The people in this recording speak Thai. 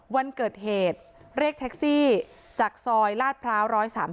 วันเกิดเหตุเรียกแท็กซี่จากซอยลาดพร้าว๑๓๒